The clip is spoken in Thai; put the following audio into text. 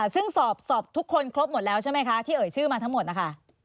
ซึ่งสอบทุกคนครบหมดแล้วใช่ไหมคะ